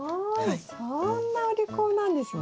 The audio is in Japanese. そんなお利口なんですね。